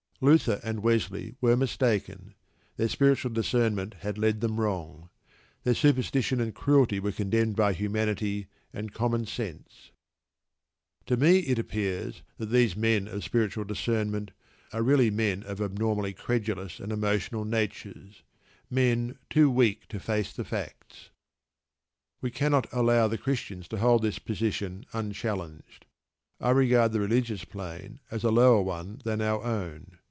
Luther and Wesley were mistaken: their spiritual discernment had led them wrong. Their superstition and cruelty were condemned by humanity and common sense. To me it appears that these men of "spiritual discernment" are really men of abnormally credulous and emotional natures: men too weak to face the facts. We cannot allow the Christians to hold this position unchallenged. I regard the religious plane as a lower one than our own.